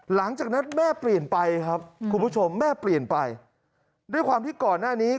หลังจากนั้นแม่เปลี่ยนไปด้วยความที่ก่อนหน้านี้